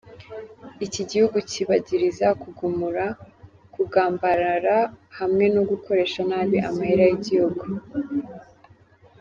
Iki gihugu kibagiriza kugumura, kugambarara hamwe no gukoresha nabi amahera y'igihugu.